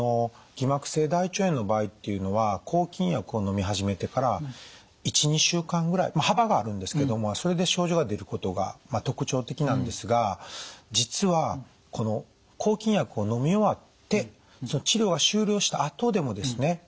偽膜性大腸炎の場合っていうのは抗菌剤をのみ始めてから１２週間ぐらいまあ幅があるんですけどもそれで症状が出ることが特徴的なんですが実は抗菌薬をのみ終わって治療が終了したあとでもですね